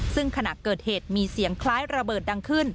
ซึ่งขณะเกิดเหตุมีเสียงคล้ายระเบิดดังขึ้น